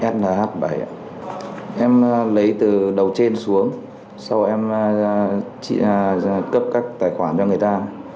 nlh bảy em lấy từ đầu trên xuống sau em cấp các tài khoản cho người ta